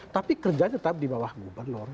tapi kerjanya tetap di bawah gubernur